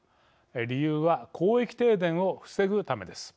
理由は広域停電を防ぐためです。